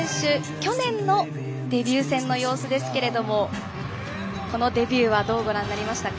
去年のデビュー戦の様子ですけれどもこのデビューはどうご覧になりましたか。